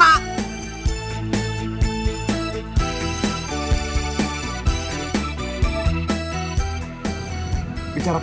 kamu sendiri dari mana